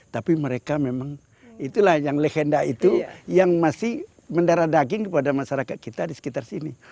tapi mereka memang itulah yang legenda itu yang masih mendara daging kepada masyarakat kita di sekitar sini